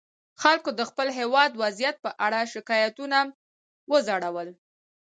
خلکو د خپل هېواد وضعیت په اړه شکایتونه وځړول.